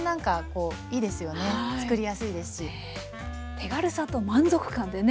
手軽さと満足感でね